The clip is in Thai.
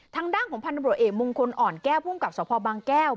ทางด้านของพันธบรวจเอกมงคลอ่อนแก้วภูมิกับสพบางแก้ว